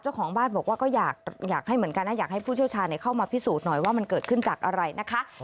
เจ้าของบ้านบอกว่าก็อยากให้เหมือนกันนะอยากให้ผู้เชี่ยวชาญเข้ามาพิสูจน์หน่อยว่ามันเกิดขึ้นจากอะไรนะคะ